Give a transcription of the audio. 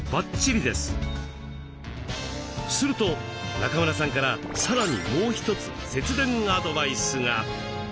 すると中村さんからさらにもう一つ節電アドバイスが。